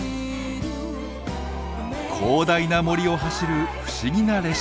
広大な森を走る不思議な列車。